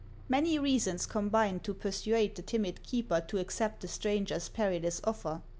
Many reasons combined to persuade the timid keeper to accept the stranger's perilous offer.